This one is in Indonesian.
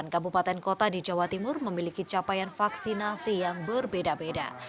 tiga puluh delapan kabupaten kota di jawa timur memiliki capaian vaksinasi yang berbeda beda